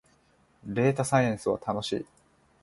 データサイエンスは楽しい